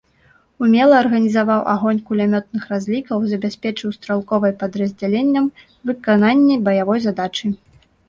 Умела арганізаваў агонь кулямётных разлікаў, забяспечыў стралковай падраздзяленням выкананне баявой задачы.